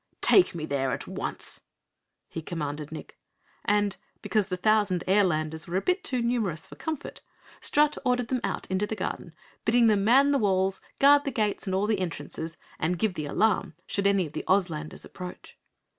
"Take me there at once," he commanded Nick, and because the thousand Airlanders were a bit too numerous for comfort Strut ordered them out to the garden, bidding them man the walls, guard the gates and all entrances, and give the alarm should any of the Ozlanders approach.